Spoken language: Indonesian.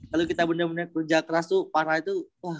kalo kita bener bener kerja keras tuh parah tuh